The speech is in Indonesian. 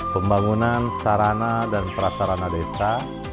pembangunan sarana dan prasarana desa